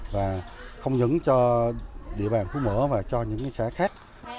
và không những cho địa bàn phú mỡ và cho những xã khác